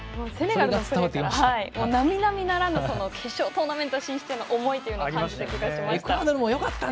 セネガルなみなみならぬ決勝トーナメント進出への思いというのを感じた気がしました。